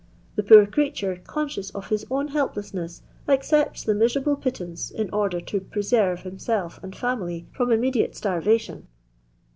The poor creature, conscious of his own helplessness, accepts the miserable pittance, in order to preserre himself and fiunily firom unme diate starvation.